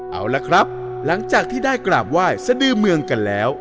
เอาละครับหลังจากที่ได้กราบไหว้สะดือเมืองกันแล้ว